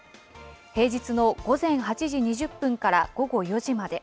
平日の午前８時２０分から午後４時まで。